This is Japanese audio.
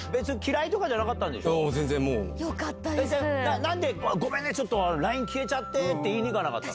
なんでごめんね、ちょっとＬＩＮＥ消えちゃってって言いに行かなかったの？